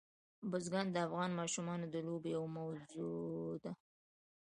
بزګان د افغان ماشومانو د لوبو یوه موضوع ده.